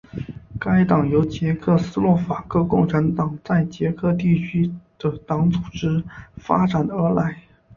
该党由原捷克斯洛伐克共产党在捷克地区的党组织发展而来。